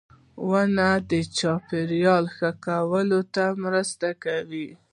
• ونه د چاپېریال ښه والي ته مرسته کوي.